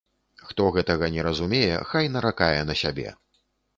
Хто гэтага не разумее, хай наракае на сябе.